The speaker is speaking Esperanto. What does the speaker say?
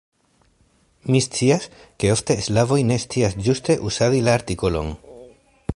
Mi scias, ke ofte slavoj ne scias ĝuste uzadi la artikolon.